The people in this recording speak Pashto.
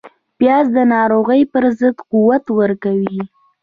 پیاز د ناروغیو پر ضد قوت ورکوي